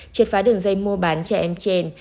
triệt phá đường dây mua bán trẻ em trên